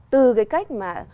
từ cái cách mà